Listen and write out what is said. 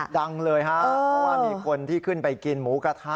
ดังเลยฮะเพราะว่ามีคนที่ขึ้นไปกินหมูกระทะ